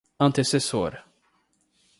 antecessor